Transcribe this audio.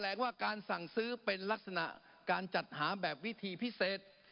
ว่าการสั่งซื้อเป็นลักษณะการจัดหาแบบวิธีพิเศษ